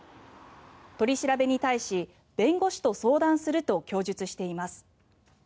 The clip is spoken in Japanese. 取り調べに対し弁護士と相談すると供述しています。